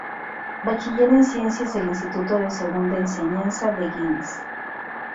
Bachiller en Ciencias del Instituto de Segunda Enseñanza de Güines.